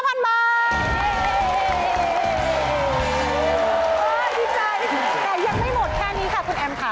ดีใจแต่ยังไม่หมดแค่นี้ค่ะคุณแอมค่ะ